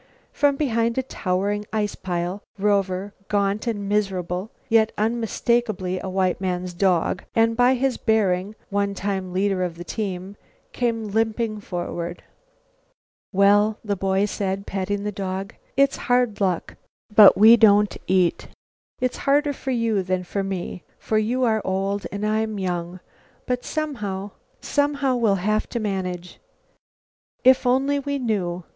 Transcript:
From behind a towering ice pile, Rover, gaunt and miserable yet unmistakably a white man's dog, and, by his bearing, a one time leader of the team, came limping toward him. "Well," the boy said, patting the dog, "it's hard luck, but we don't eat. It's harder for you than for me, for you are old and I'm young, but somehow somehow, we'll have to manage. If only we knew.